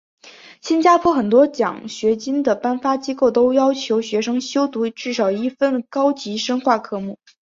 新加坡很多奖学金的颁发机构都要求学生修读至少一份高级深化科目。